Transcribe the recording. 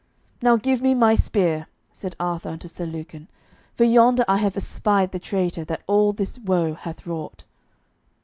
"Now give me my spear," said Arthur unto Sir Lucan, "for yonder I have espied the traitor that all this woe hath wrought."